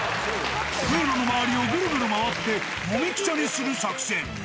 植野の周りをぐるぐる回ってもみくちゃにする作戦。